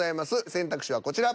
選択肢はこちら。